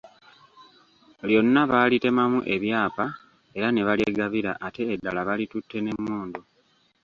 Lyonna baalitemamu ebyapa era ne balyegabira ate eddala balitutte n’emmundu.